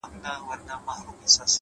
هوډ د اوږدو لارو ملګری دی’